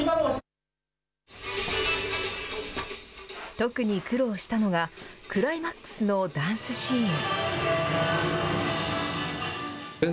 特に苦労したのがクライマックスのダンスシーン。